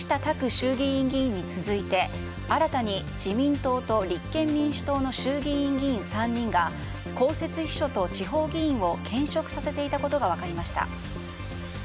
衆議院議員に続いて新たに自民党と立憲民主党の衆議院議員３人が公設秘書と地方議員を兼職させていたことが分かりました。